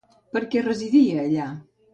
Per què residia allà?